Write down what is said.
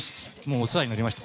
お世話になりました